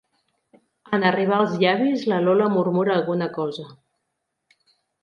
En arribar als llavis la Lola murmura alguna cosa.